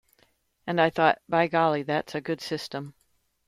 And, I thought, 'by golly, that's a good system.